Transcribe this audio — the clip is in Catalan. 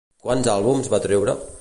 Quants àlbums va treure?